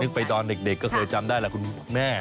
ไปตอนเด็กก็เคยจำได้แหละคุณแม่